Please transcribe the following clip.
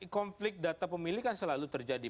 konflik data pemilih kan selalu terjadi